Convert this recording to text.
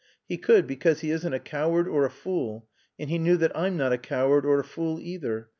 "He could because he isn't a coward or a fool and he knew that I'm not a coward or a fool either.